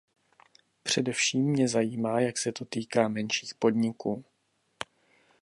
Především mě zajímá, jak se to týká menších podniků.